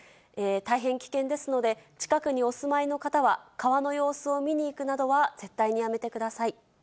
大変危険ですので、近くにお住まいの方は、川の様子を見に行くなどは絶対にやめてください。